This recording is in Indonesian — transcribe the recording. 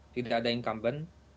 tidak ada incumbent